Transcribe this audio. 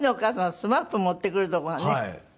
ＳＭＡＰ持ってくるとこがね。